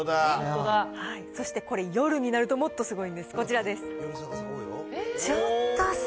そしてこれ、夜になるともっとすごいんです、こちらです。